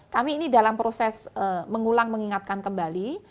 kami ini dalam proses mengulang mengingatkan kembali